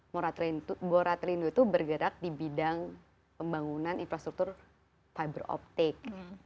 moratelindo itu bergerak di bidang pembangunan infrastruktur fiber optic